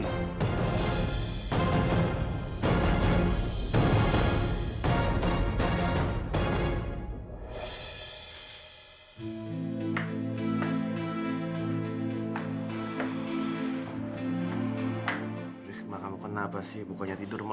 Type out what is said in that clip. lihat semua kamu kenapa sih bukannya tidur malah